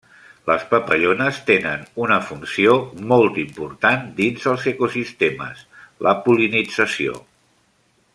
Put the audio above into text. Les papallones tenen una funció molt important dins els ecosistemes: la pol·linització.